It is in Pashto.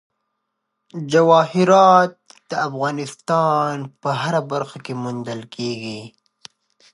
جواهرات د افغانستان په هره برخه کې موندل کېږي.